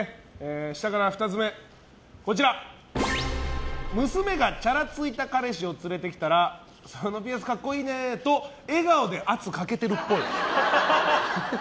下から２つ目、娘がチャラついた彼氏を連れてきたら「そのピアスかっこいいねー」と笑顔で圧かけてるっぽい。